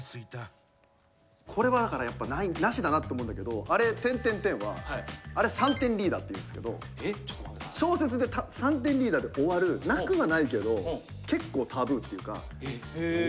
これは、だから、やっぱなしだなと思うんだけどあれ、「」は三点リーダーっていうんですけど小説で三点リーダーで終わるなくはないけど結構、タブーっていうか。